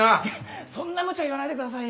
そんなむちゃ言わないでくださいよ。